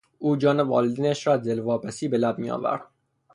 او جان والدینش را از دلواپسی به لب میآورد.